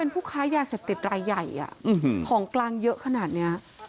ผู้ค้ายาเสพติดรายใหญ่ของกลางเยอะขนาดนี้